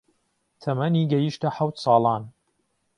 تەمەنی گەیشتە حەوت ساڵان